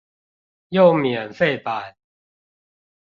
用免費版